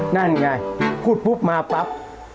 นั่นไงพูดปุ๊บมาปั๊บ